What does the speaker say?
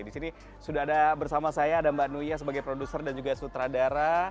di sini sudah ada bersama saya ada mbak nuya sebagai produser dan juga sutradara